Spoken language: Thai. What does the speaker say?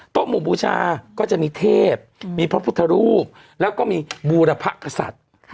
หมู่บูชาก็จะมีเทพมีพระพุทธรูปแล้วก็มีบูรพกษัตริย์